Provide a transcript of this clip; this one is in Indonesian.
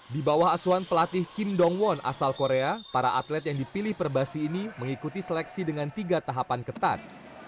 di bawah asuhan pelatih kim dong won asal korea para atlet yang dipilih perbasi ini mengikuti seleksi dengan tiga tahapan ketat